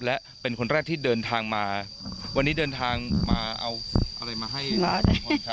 และเป็นคนแรกที่เดินทางมาวันนี้เดินทางมาเอาอะไรมาให้คุณผู้ชมครับ